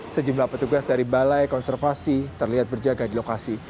sejumlah petugas dari balai konservasi terlihat berjaga di lokasi